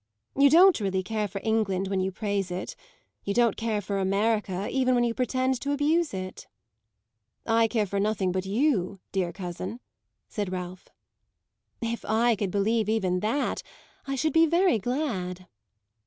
You don't really care for England when you praise it; you don't care for America even when you pretend to abuse it." "I care for nothing but you, dear cousin," said Ralph. "If I could believe even that, I should be very glad."